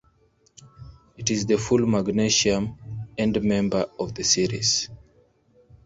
It is the full magnesium endmember of the series.